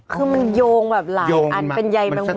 คือมันโยงแบบหลายอันเป็นใยแมงมุม